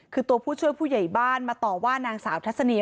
คือตัวผู้ช่วยผู้ใหญ่บ้านมาต่อว่านางสาวทัศนี